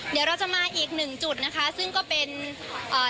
เดี๋ยวเราจะมาอีกหนึ่งจุดนะคะซึ่งก็เป็นเอ่อ